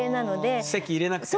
籍入れなくても？